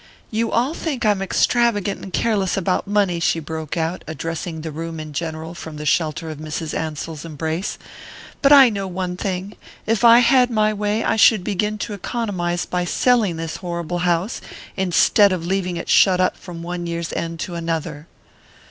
"You all think I'm extravagant and careless about money," she broke out, addressing the room in general from the shelter of Mrs. Ansell's embrace; "but I know one thing: If I had my way I should begin to economize by selling this horrible house, instead of leaving it shut up from one year's end to another."